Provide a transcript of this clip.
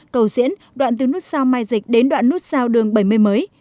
cầu diễn đoạn từ nút sao mai dịch đến đoạn nút sao đường bảy mươi mới